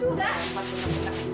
gak ada maksudnya